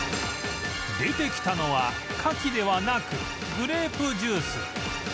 出てきたのはカキではなくグレープジュース